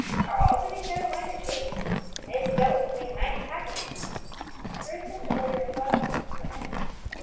Are all to be stowed away in the chaise? If so, it will need nice packing." "Bruce was to order a fly," said Emmie.